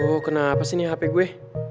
aduh kenapa sih nih hp gue